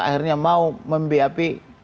akhirnya mau mem bap